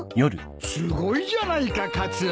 すごいじゃないかカツオ！